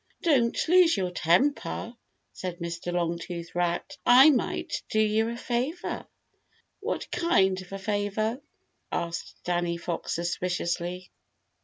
"Don't lose your temper," said Mr. Longtooth Rat. "I might do you a favor." "What kind of a favor?" asked Danny Fox suspiciously.